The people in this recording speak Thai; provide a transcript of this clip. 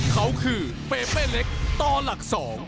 เขาคือเปเป้เล็กต่อหลัก๒